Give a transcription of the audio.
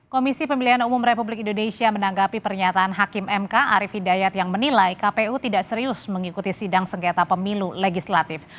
komisi pemilihan umum republik indonesia menanggapi pernyataan hakim mk arief hidayat yang menilai kpu tidak serius mengikuti sidang sengketa pemilu legislatif